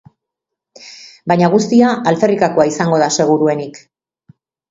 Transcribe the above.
Baina guztia alferrikakoa izango da seguruenik.